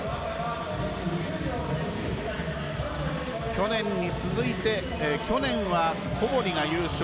去年に続いて去年は小堀が優勝。